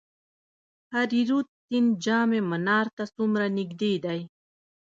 هریرود سیند جام منار ته څومره نږدې دی؟